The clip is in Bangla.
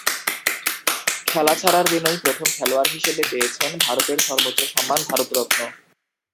খেলা ছাড়ার দিনই প্রথম খেলোয়াড় হিসেবে পেয়েছেন ভারতের সর্বোচ্চ সম্মান ভারতরত্ন।